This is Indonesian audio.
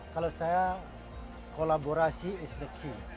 kalau saya kolaborasi is the key